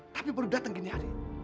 tapi baru datang dini hari